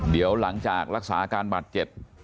เดี๋ยวหลังจากรักษาอาการบาดเจ็บ